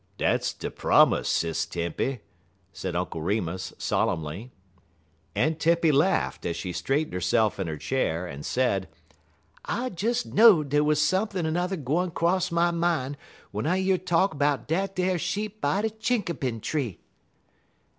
"Dat's de promise, Sis Tempy," said Uncle Remus, solemnly. Aunt Tempy laughed, as she straightened herself in her chair, and said: "I des knowed dey wuz sump'n' 'n'er gwine 'cross my min' w'en I year talk 'bout dat ar sheep by de chinkapin tree."